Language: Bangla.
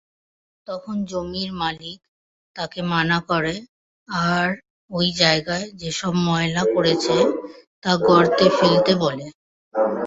তখন জমির মালিক তাকে মানা করে আর ঐ জায়গায় যেসব ময়লা করেছে তা গর্তে ফেলতে বলে।